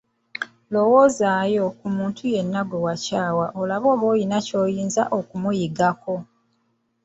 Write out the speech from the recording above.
Lowoozaayo ku muntu yenna gwe wakyawa olabe oba nga olina ky'oyinza okumuyigako.